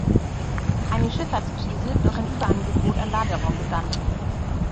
Eine Schifffahrtskrise durch ein Überangebot an Laderaum begann.